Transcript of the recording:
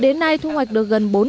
đến nay thu hoạch được gần hai hectare